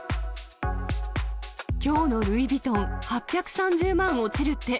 きょうのルイ・ヴィトン、８３０万落ちるって。